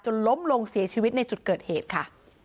ล้มลงเสียชีวิตในจุดเกิดเหตุค่ะ